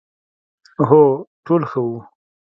هو، ټول ښه وو،